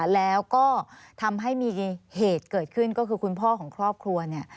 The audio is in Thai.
แล้วก็ทำให้มีเหตุเกิดขึ้นก็คือคุณพ่อของครอบครัวเนี่ย